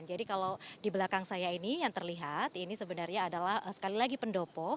jadi kalau di belakang saya ini yang terlihat ini sebenarnya adalah sekali lagi pendopo